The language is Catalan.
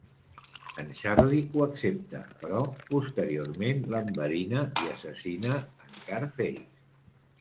En Charlie ho accepta, però posteriorment l'enverina i assassina en Carface.